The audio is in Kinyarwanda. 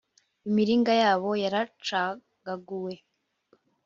Imiringa yabo yaracagaguye